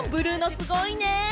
すごいね！